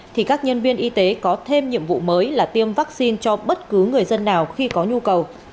thì các nhân viên y tế có thêm nhiệm vụ mới là tiêm vaccine cho bất cứ người dân nào khi có nhu cầu